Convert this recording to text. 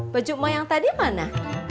bejumu yang tadi mana